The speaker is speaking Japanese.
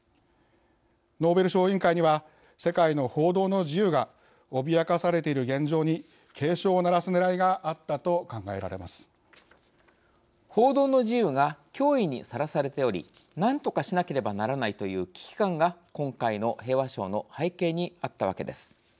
ノーベル賞委員会には世界の報道の自由が脅かされている現状に警鐘を鳴らすねらいがあったと報道の自由が脅威にさらされており何とかしなければならないという危機感が今回の平和賞の背景にあったわけです。